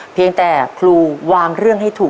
เพียงแต่ครูวางเรื่องให้ได้นะครับ